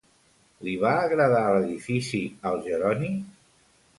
Li va agradar l'edifici al Jeroni?